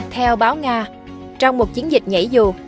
theo báo nga trong một chiến dịch nhảy dù